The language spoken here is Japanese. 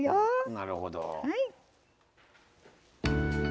なるほど。